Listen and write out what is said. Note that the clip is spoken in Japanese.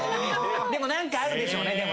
でも何かあるでしょうね。